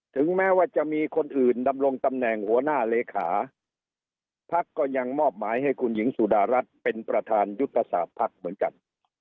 ถึงแม้ว่าจะมีคนอื่นดำรงตำแหน่งหัวหน้าเลขาพักก็ยังมอบหมายให้คุณหญิงสุดารัฐเป็นประธานยุทธศาสตร์ภักดิ์เหมือนกัน